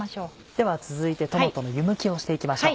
では続いてトマトの湯むきをして行きましょう。